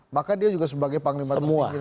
maka dia juga sebagai panglima